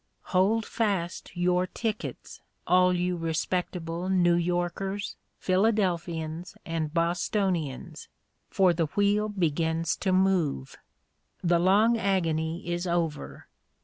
Hold fast your tickets, all you respectable New Yorkers, Philadelphians, and Bostonians, for the wheel begins to move. The long agony is over.